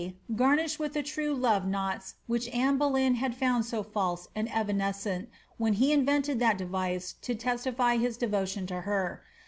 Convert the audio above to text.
garnished with the true love knots which Anne Boleyn had found so false and evanes cent when he invented that device to testify his devotion to her.